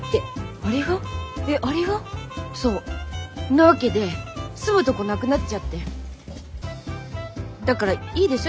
なわけで住むとこなくなっちゃってだからいいでしょ？